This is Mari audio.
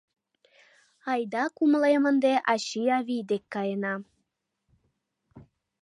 Айда, кумылем, ынде ачий-авий дек каена.